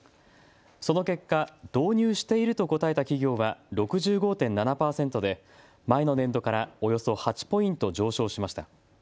その結果、導入していると答えた企業は６５．７％で前の年度からおよそ８ポイント上昇しました。